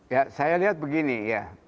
ya saya lihat begini ya